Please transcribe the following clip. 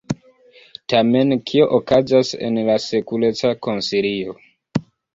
Tamen kio okazas en la Sekureca Konsilio?